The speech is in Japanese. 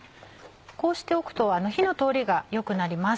こうしておくと火の通りが良くなります。